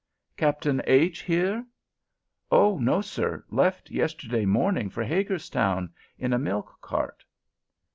"Captain H. here?" "Oh no, sir, left yesterday morning for Hagerstown, in a milk cart."